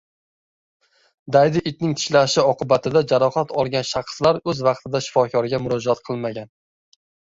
Daydi itning tishlashi oqibatida jarohat olgan shaxslar o‘z vaqtida shifokorga murojaat qilmagan